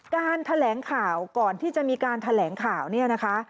การแถลงข่าวก่อนที่จะมีการแถลงข่าวเนี่ยนะคะ